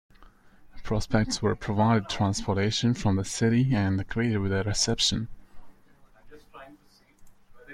Prospects were provided transportation from the city and greeted with a reception.